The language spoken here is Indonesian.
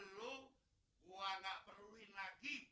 lu gue gak perluin lagi